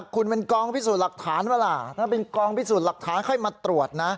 คุณเป็นกองพิสูจน์หลักฐานป่ะล่ะถ้าเป็นกองพิสูจน์หลักฐานค่อยมาตรวจนะ